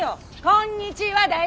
「こんにちは」だよ！